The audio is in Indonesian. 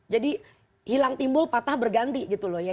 jadi hilang timbul patah berganti gitu loh ya